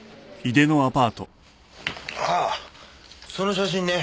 ああその写真ね。